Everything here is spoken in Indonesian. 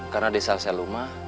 karena desa seluma